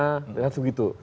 ya langsung begitu